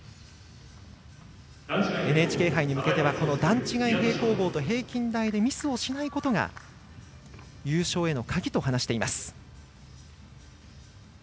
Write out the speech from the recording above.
ＮＨＫ杯に向けては段違い平行棒と平均台でミスをしないことが優勝への鍵と話しています。